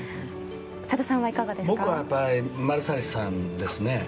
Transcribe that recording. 僕はマルサリスさんです。